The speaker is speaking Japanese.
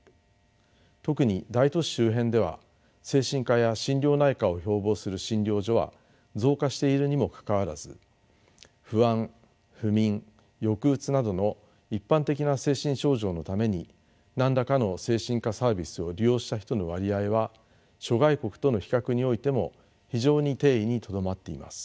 特に大都市周辺では精神科や心療内科を標ぼうする診療所は増加しているにもかかわらず不安不眠抑うつなどの一般的な精神症状のために何らかの精神科サービスを利用した人の割合は諸外国との比較においても非常に低位にとどまっています。